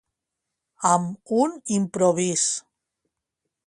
Amb un improvís.